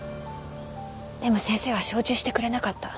でも先生は承知してくれなかった。